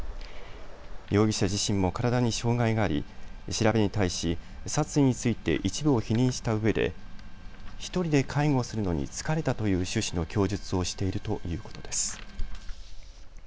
容疑者自身も体に障害があり調べに対し殺意について一部を否認したうえで１人で介護するのに疲れたという趣旨の供述をしているということです。